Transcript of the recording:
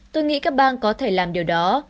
tôi nghĩ các bang có thể làm điều đó